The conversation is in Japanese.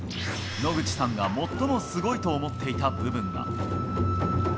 野口さんが最もすごいと思っていた部分が。